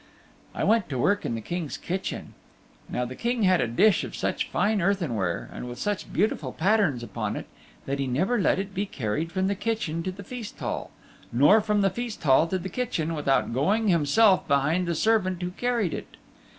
I went to work in the King's kitchen. Now the King had a dish of such fine earthware and with such beautiful patterns upon it that he never let it be carried from the Kitchen to the Feast Hall, nor from the Feast Hall to the Kitchen without going himself behind the servant who carried it.